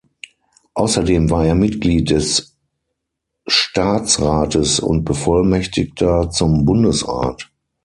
Außerdem war er Mitglied des Staatsrates und Bevollmächtigter zum Bundesrat.